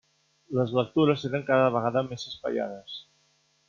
Les lectures eren cada vegada més espaiades.